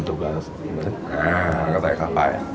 อ่าก็ใส่คลับไป